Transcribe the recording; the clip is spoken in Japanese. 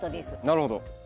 なるほど。